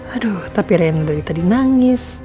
aduh tapi reno dari tadi nangis